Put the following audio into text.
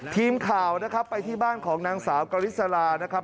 ทีมข่าวนะครับไปที่บ้านของนางสาวกริสลานะครับ